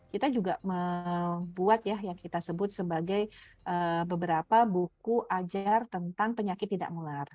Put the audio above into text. kita juga membuat ya yang kita sebut sebagai beberapa buku ajar tentang penyakit tidak menular